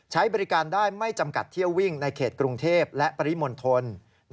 ใช้บริการได้ไม่จำกัดเที่ยววิ่งในเขตกรุงเทพและปริมณฑล